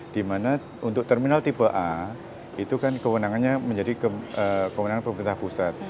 dimana untuk terminal tipe a itu kan kewenangannya menjadi kewenangan pemerintah pusat